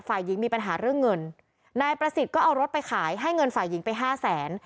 ฝ่ายหญิงมีปัญหาเรื่องเงินนายประสิทธิ์ก็เอารถไปขายให้เงินฝ่ายหญิงไปห้าแสน